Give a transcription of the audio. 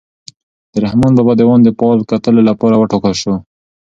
د رحمان بابا دیوان د فال کتلو لپاره وټاکل شو.